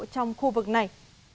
trong khu vực này